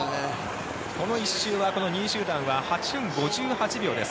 この１周は２位集団は８分５８秒です。